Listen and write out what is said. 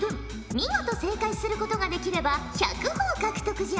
見事正解することができれば１００ほぉ獲得じゃ。